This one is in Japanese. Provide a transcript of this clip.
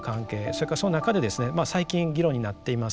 それからその中でですね最近議論になっています